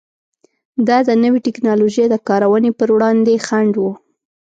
دا د نوې ټکنالوژۍ د کارونې پر وړاندې خنډ و.